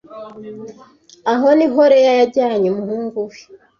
Aho niho Rhea yajyanye umuhungu we